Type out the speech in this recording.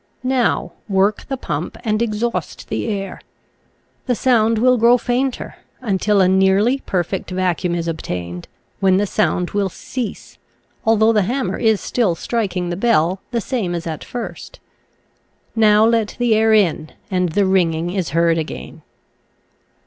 Now, work the pump and exhaust the air. The sound will grow fainter until a nearly perfect vacuum is obtained, when the sound will cease, al though the hammer is still striking the bell the same as at first. Now let the air in and the ringing is heard again.